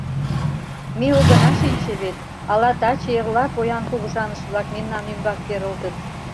Ме огына шинче вет, ала таче-эрла поян кугыжаныш-влак мемнан ӱмбак керылтыт.